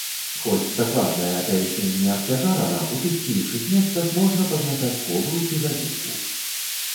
Хоць дакладнае атаясненне абцяжарана, у тых ці іншых месцах можа пазначаць кобру ці гадзюку.